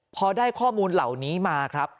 พอได้ข้อมูลเหล่านี้มาครับ